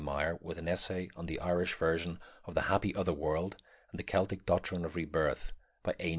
Meyer, with an Essay on the Irish Version of the Happy Other World and the Celtic Doctrine of Rebirth, by A.